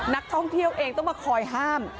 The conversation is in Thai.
นักท่องเที่ยวเองต้องมาคอยห้าม